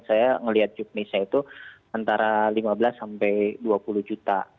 saya melihat juknisnya itu antara lima belas sampai dua puluh juta